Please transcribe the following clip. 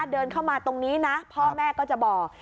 เดินเข้ามาตรงนี้นะพ่อแม่ก็จะบอก